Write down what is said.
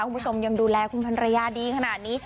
คุณผู้ชมยังดูแลคุณพันรยาดีขนาดนี้